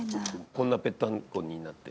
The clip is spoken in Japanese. こんなぺったんこになって。